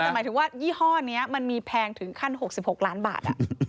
แต่หมายถึงว่ายี่ห้อนี้มันมีแพงถึงขั้น๖๖ล้านบาท